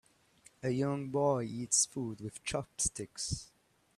A young boy eats food with chopsticks.